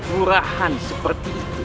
murahan seperti itu